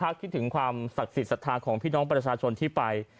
คิดถึงความศักดิ์สิทธิ์ศรัทธาของพี่น้องประชาชนที่ไป